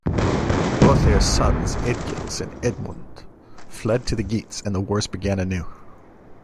Ohthere's sons Eadgils and Eanmund fled to the Geats and the wars began anew.